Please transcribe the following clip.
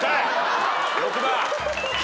６番。